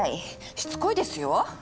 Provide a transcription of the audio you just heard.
しつこいですよ。